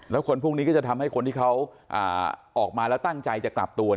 แล้วคนพวกนี้ก็จะทำให้คนที่เขาออกมาแล้วตั้งใจจะกลับตัว